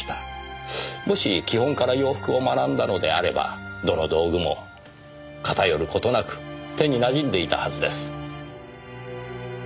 もし基本から洋服を学んだのであればどの道具も偏る事なく手に馴染んでいたはずです。